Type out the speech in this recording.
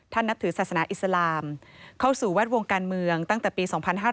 นับถือศาสนาอิสลามเข้าสู่แวดวงการเมืองตั้งแต่ปี๒๕๕๙